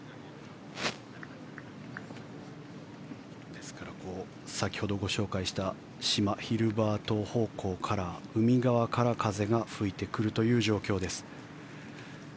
ですから先ほどご紹介した島ヒルバー島方向から、海側から風が吹いてくるという状況です。